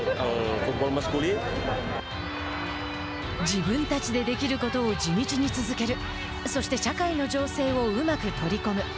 自分たちでできることを地道に続けるそして社会の情勢をうまく取り込む。